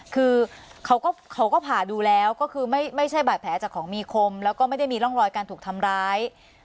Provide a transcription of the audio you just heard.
คือเขาก็ผ่าดูแล้วก็คือไม่ใช่บาดแผลจากของมีคมแล้วก็ไม่ได้มีร่องรอยการถูกทำร้าย